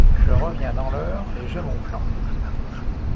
Je reviens dans l’heure et j’ai mon plan…